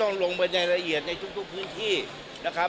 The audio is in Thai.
ต้องลงไปในละเอียดในทุกพื้นที่นะครับ